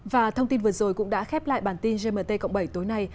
và thông tin vừa rồi cũng đã khép lại bản tin gmt cộng bảy tối nay